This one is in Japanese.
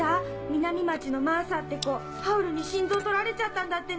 南町のマーサって子ハウルに心臓取られちゃったんだってね。